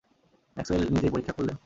Maxwell নিজেই পরীক্ষা করলেন।